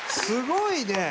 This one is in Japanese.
すごいね！